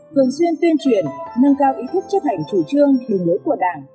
thường xuyên tuyên truyền nâng cao ý thức chấp hành chủ trương hình lưới của đảng